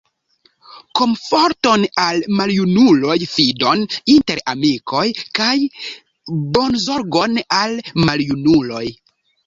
Komforton al maljunuloj, fidon inter amikoj, kaj bonzorgon al maljunuloj.